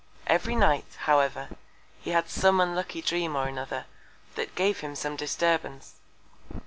Every Night, however, he had some unlucky Dream or another, that gave him some Disturbance.